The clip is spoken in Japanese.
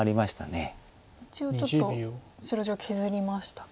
一応ちょっと白地を削りましたか。